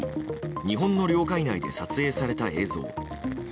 日本の領海内で撮影された映像。